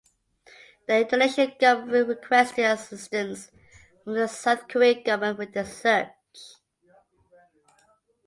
The Indonesian government requested assistance from the South Korean government with the search.